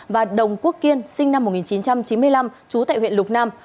và đồng quốc kiên sinh năm một nghìn chín trăm chín mươi năm trú tại huyện lục nam